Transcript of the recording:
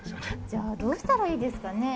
じゃあどうしたらいいですかね？